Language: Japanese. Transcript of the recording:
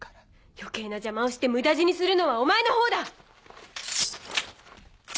余計な邪魔をして無駄死にするのはお前のほうだ！